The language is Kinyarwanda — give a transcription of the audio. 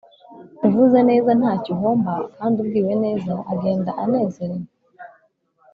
uvuze neza ntacyo uhomba kandi ubwiwe neza agenda anezerewe.